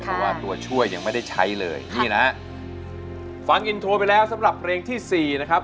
เพราะว่าตัวช่วยยังไม่ได้ใช้เลยนี่นะฮะฟังอินโทรไปแล้วสำหรับเพลงที่สี่นะครับ